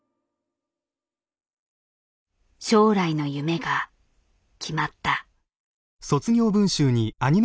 将来の夢が決まった。